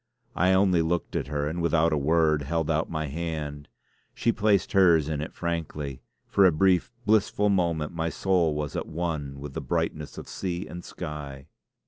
I only looked at her, and without a word held out my hand. She placed hers in it frankly; for a brief, blissful moment my soul was at one with the brightness of sea and sky.